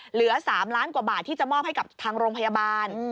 เหลือ๓ล้านกว่าบาทที่จะมอบให้กับทางโรงพยาบาล